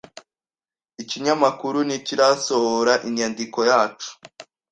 Ikinyamakuru ntikirasohora inyandiko yacu.